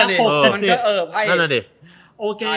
นั่นอ่ะดิ